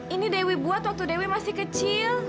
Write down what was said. ini dewi buat waktu dewi masih kecil